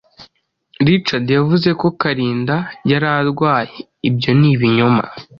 Richard yavuze ko Kalinda yari arwaye, ibyo ni ibinyoma.